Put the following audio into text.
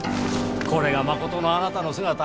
これがまことのあなたの姿。